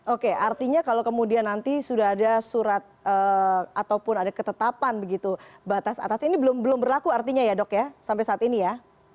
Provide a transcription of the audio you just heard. oke artinya kalau kemudian nanti sudah ada surat ataupun ada ketetapan begitu batas atas ini belum berlaku artinya ya dok ya sampai saat ini ya